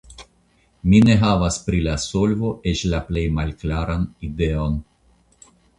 Mi ne havas pri la solvo eĉ la plej malklaran ideon.